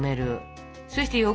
そして横。